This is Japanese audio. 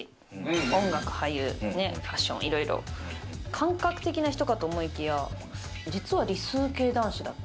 音楽、俳優ね、ファッション、いろいろ、感覚的な人かと思いきや、実は理数系男子だった。